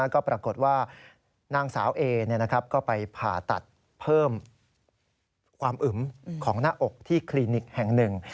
ก็ปรากฏว่านางสาวเอก็ไปผ่าตัดเพิ่มความอึมของหน้าอกที่คลินิกแห่งหนึ่ง